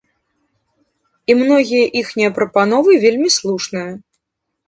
І многія іхнія прапановы вельмі слушныя.